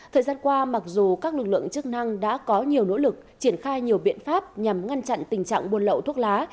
thời gian qua mặc dù các lực lượng chức năng đã có nhiều nỗ lực triển khai nhiều biện pháp nhằm ngăn chặn tình trạng buôn lậu thuốc lá